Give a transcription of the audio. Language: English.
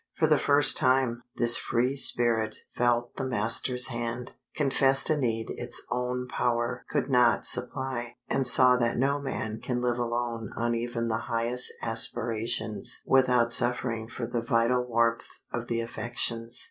For the first time, this free spirit felt the master's hand, confessed a need its own power could not supply, and saw that no man can live alone on even the highest aspirations without suffering for the vital warmth of the affections.